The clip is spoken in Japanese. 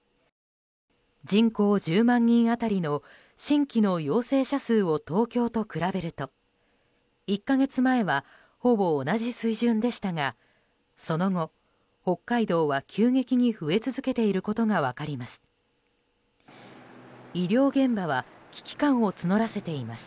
人口１０万人当たりの新規の陽性者数を東京と比べると、１か月前はほぼ同じ水準でしたがその後、北海道は急激に増え続けていることが分かります。